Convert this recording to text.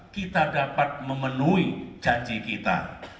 kita dapat memenuhi janji kita